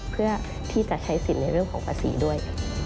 เพื่อที่จะใช้สิทธิ์ในเรื่องของภาษีด้วย